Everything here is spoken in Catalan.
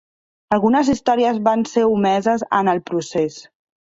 Algunes històries van ser omeses en el procés.